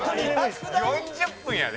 「４０分やで？」